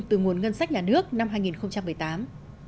từ nguồn ngân sách nhà nước năm hai nghìn một mươi tám